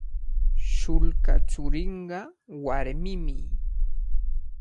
Shullka churinqa warmimi.